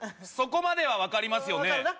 そこまでは分かりますよね？